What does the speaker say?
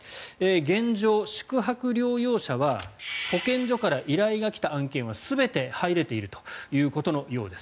現状、宿泊療養者は保健所から依頼が来た案件は全て入れているということのようです。